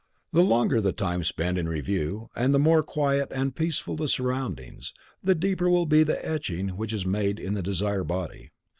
The longer the time spent in review, and the more quiet and peaceful the surroundings, the deeper will be the etching which is made in the desire body.